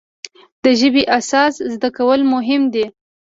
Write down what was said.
د ژبې اساس زده کول مهم دی.